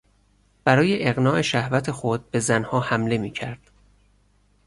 برای اقناع شهوت خود به زنها حمله میکرد.